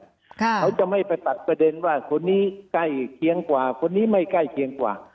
เขาจะไม่ไปตัดประเด็นว่าคนนี้ใกล้เคียงกว่าคนนี้ไม่ใกล้เคียงกว่า